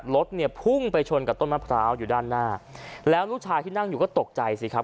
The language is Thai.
รถเนี่ยพุ่งไปชนกับต้นมะพร้าวอยู่ด้านหน้าแล้วลูกชายที่นั่งอยู่ก็ตกใจสิครับ